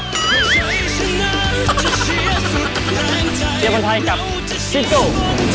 เชียงบนไทยกับชิคกี้พาย